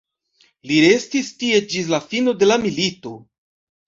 Li restis tie ĝis la fino de la milito.